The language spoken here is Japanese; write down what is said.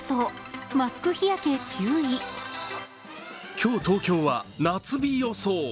今日、東京は夏日予想。